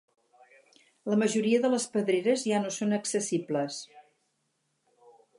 La majoria de les pedreres ja no són accessibles.